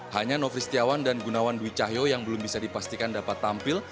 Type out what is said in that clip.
hanya nofri setiawan dan gunawan dwi cahyo yang belum bisa dipastikan dapat tampil